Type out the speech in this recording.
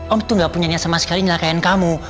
om tuh gak punya niat sama sekali ngelakaan kamu